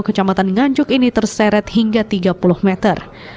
kecamatan nganjuk ini terseret hingga tiga puluh meter